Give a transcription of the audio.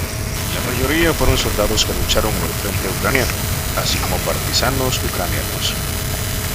La mayoría fueron soldados que lucharon en el frente ucraniano, así como partisanos ucranianos.